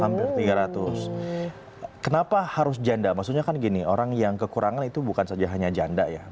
hampir tiga ratus kenapa harus janda maksudnya kan gini orang yang kekurangan itu bukan saja hanya janda ya